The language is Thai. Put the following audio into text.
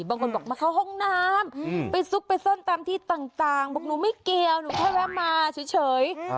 บางคนบอกมาเข้าห้องน้ำไปซุกไปซ่อนตามที่ต่างบอกหนูไม่เกี่ยวหนูแค่แวะมาเฉย